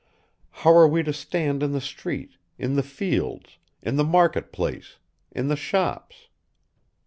How are we to stand in the street, in the fields, in the market place, in the shops?